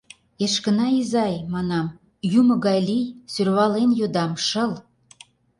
Эшкына изай, манам, юмо гай лий, сӧрвален йодам, шыл!